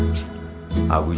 jack cilik tonga